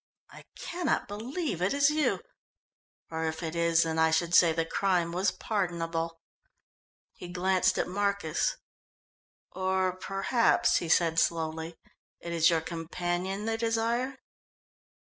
I cannot believe it is you or if it is, then I should say the crime was pardonable." He glanced at Marcus. "Or perhaps," he said slowly, "it is your companion they desire."